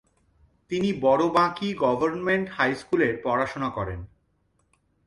তিনি বড়বাঁকী government high school পড়াশোনা করেন।